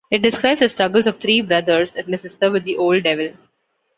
It describes the struggles of three brothers and a sister with the Old Devil.